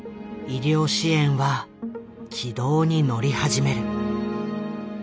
医療支援は軌道に乗り始める。